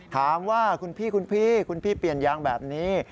ถามว่าคุณพี่คุณพี่คุณพี่เปลี่ยนยางแบบนี้